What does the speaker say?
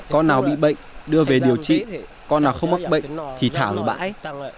con nào bị bệnh đưa về điều trị con nào không mắc bệnh thì thả ở bãi